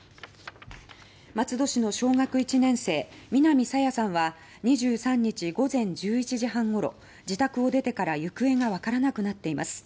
松戸市の小学１年生南朝芽さんは２３日午前１１時半ごろ自宅を出てから行方がわからなくなっています。